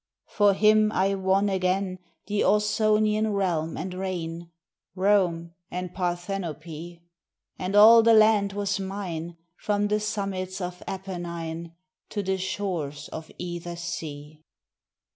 For him I won again The Ausonian realm and reign, Rome and Parthenope; And all the land was mine From the summits of Apennine To the shores of either sea.